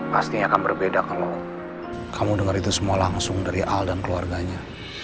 pasti akan berbeda kalau kamu dengar itu semua langsung dari al dan keluarganya